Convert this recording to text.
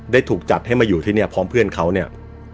ถูกจัดให้มาอยู่ที่เนี่ยพร้อมเพื่อนเขาเนี่ย